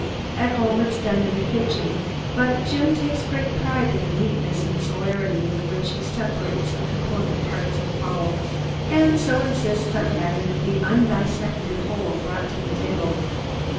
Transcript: At home it's done in the kitchen, but Jim takes great pride in the neatness and celerity with which he separates the component parts of a fowl and so insists on having the undissected whole brought to the table.